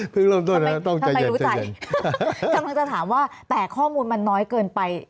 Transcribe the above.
เพิ่งเริ่มต้นนะครับต้องใจเย็นคำถามว่าแต่ข้อมูลมันน้อยเกินไป